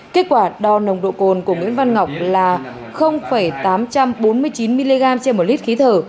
kết quả đo nồng độ cồn của nguyễn văn ngọc là tám trăm bốn mươi chín mg trên một lít khí thở